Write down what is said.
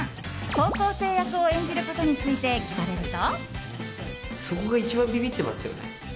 高校生役を演じることについて聞かれると。